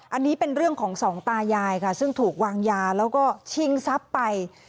อันนี้เป็นเรื่องของสองตายายค่ะซึ่งถูกวางยาแล้วก็ชิงทรัพย์ไป